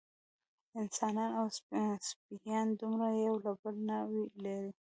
انسانان او سپیان دومره یو له بله نه وي لېرې.